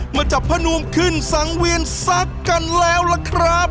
มาจับพระนวมขึ้นสังเวียนซักกันแล้วล่ะครับ